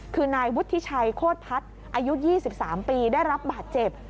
คือนายวุฒิชัยโคตรพัฒน์อายุ๒๓ปีได้รับบาดเจ็บ